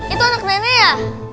itu anak nenek ya